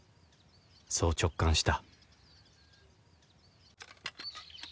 そう直感した